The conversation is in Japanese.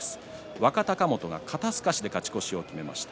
若隆元が肩すかしで勝ち越しを決めました。